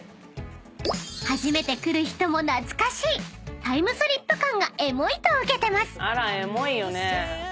［初めて来る人も懐かしいタイムスリップ感がエモいとウケてます］